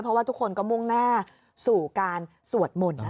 เพราะว่าทุกคนก็มุ่งหน้าสู่การสวดมนต์